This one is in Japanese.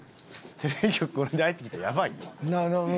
テレビ局これで入ってきたらやばいよ。